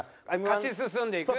勝ち進んでいく。